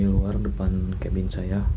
luar depan kabin saya